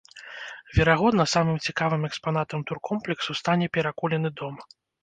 Верагодна, самым цікавым экспанатам туркомплексу стане перакулены дом.